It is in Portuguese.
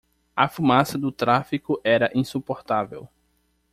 A fumaça do tráfego era insuportável.